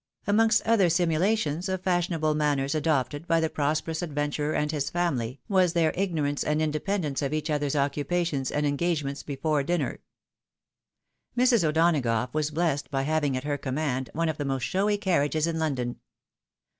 Amongst other simulations of fashionable manners adopted by the prosperous adventurer and his family, was their igno ranee and independence of each other's occupations and engage ments before dinner. Mrs. O'Donagough was blessed by having at her command one of the most showy carriages in London.